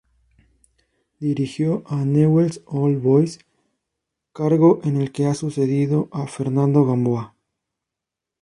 Dirigió a Newell's Old Boys, cargo en el que ha sucedido a Fernando Gamboa.